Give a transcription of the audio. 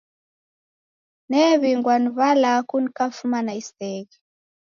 New'ingwa ni w'alaku nikafuma na iseghe